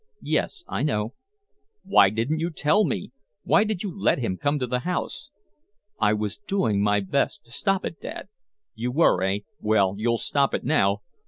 "Yes, I know " "Why didn't you tell me? Why did you let him come to the house?" "I was doing my best to stop it, Dad." "You were, eh well, you'll stop it now!